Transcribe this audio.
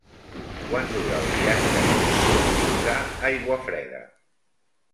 Quant dura el viatge en autobús fins a Aiguafreda?